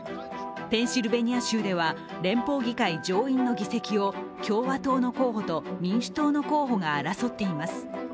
ペンシルベニア州では連邦議会上院の議席を共和党の候補と民主党の候補が争っています。